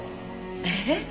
えっ？